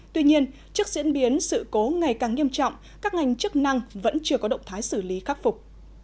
tuy nhiên trước diễn biến sự cố ngày càng nghiêm trọng các ngành chức năng vẫn chưa có động thái xử lý khắc phục